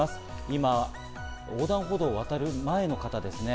今、横断歩道を渡る前の方ですね。